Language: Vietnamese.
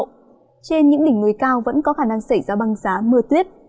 trên những đỉnh núi cao vẫn có khả năng xảy ra băng giá mưa tuyết